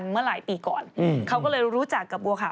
เมื่อหลายปีก่อนเขาก็เลยรู้จักกับบัวขาว